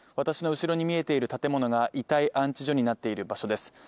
私の後ろに見えている建物が遺体安置所になっている場所です。